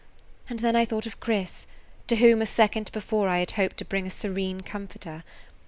And then I thought of Chris, to whom a second before I had hoped to bring a serene comforter.